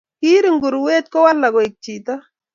Kiiri nguruwet kowalak koek chito